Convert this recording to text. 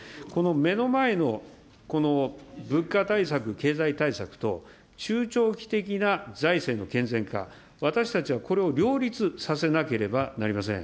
目の前の物価対策、経済対策と、中長期的な財政の健全化、私たちはこれを両立させなければなりません。